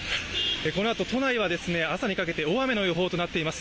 このあと都内は朝にかけて大雨の予報となっています。